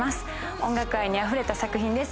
音楽愛にあふれた作品です。